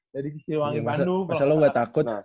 dari sriwangi bandung masa lu gak takut